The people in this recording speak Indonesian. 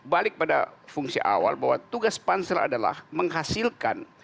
balik pada fungsi awal bahwa tugas pansel adalah menghasilkan